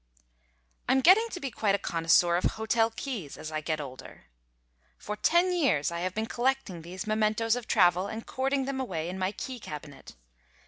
I'm getting to be quite a connoisseur of hotel keys as I get older. For ten years I have been collecting these mementoes of travel and cording them away in my key cabinet.